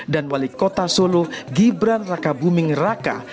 dan wali kota solo gibran rakabuming raka